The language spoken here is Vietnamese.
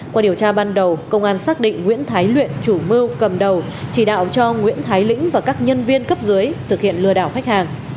qua điều tra ban đầu công an xác định nguyễn thái luyện chủ mưu cầm đầu chỉ đạo cho nguyễn thái lĩnh và các nhân viên cấp dưới thực hiện lừa đảo khách hàng